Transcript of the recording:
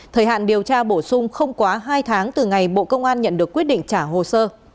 thời hạn điều tra bổ sung không quá hai tháng từ ngày bộ công an nhận được quyết định trả hồ sơ